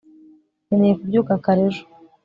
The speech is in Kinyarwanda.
nkeneye kubyuka kare ejo